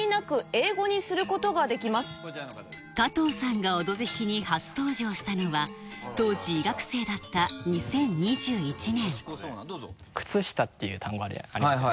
加藤さんが「オドぜひ」に初登場したのは当時医学生だった２０２１年靴下っていう単語ありますよね？